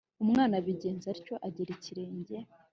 umwana abigenza atyo, agera ikirenge